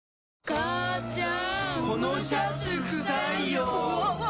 母ちゃん！